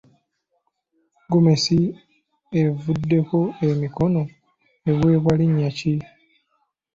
Ggomesi evuddeko emikono eweebwa linnya ki?